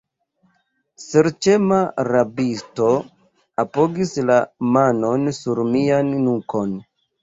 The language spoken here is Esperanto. Ŝercema rabisto apogis la manon sur mian nukon.